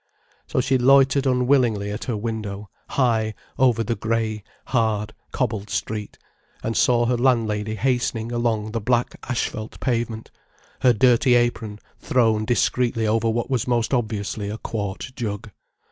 So she loitered unwillingly at her window high over the grey, hard, cobbled street, and saw her landlady hastening along the black asphalt pavement, her dirty apron thrown discreetly over what was most obviously a quart jug.